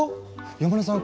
山根さん